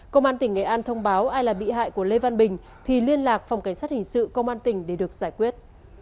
công an tỉnh nghệ an thông báo ai là bị hại của lê văn bình thì liên lạc phòng cảnh sát hình sự công an tỉnh để được giải quyết